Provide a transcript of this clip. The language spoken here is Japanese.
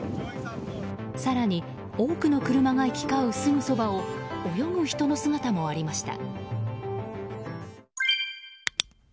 更に、多くの車が行き交うすぐそばを泳ぐ人の姿もありました。